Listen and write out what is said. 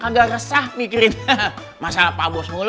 agak resah mikirin masalah pak bos mulu